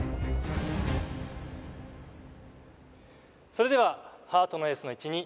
それではハートのエースの位置に